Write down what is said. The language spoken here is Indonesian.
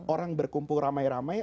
orang berkumpul ramai ramai